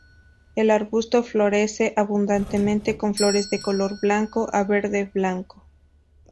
El arbusto florece abundantemente con flores de color blanco a verde-blanco.